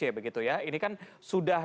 ini kan sudah dilakukan